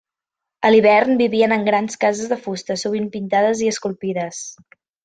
A l'hivern vivien en grans cases de fusta sovint pintades i esculpides.